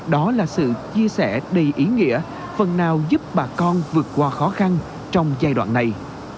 đó là sự chia sẻ đầy ý nghĩa phần nào giúp bà con vượt qua khó khăn trong giai đoạn này